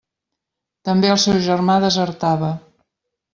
També el seu germà desertava.